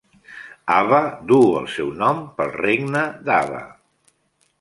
Ava duu el seu nom pel regne d'Ava.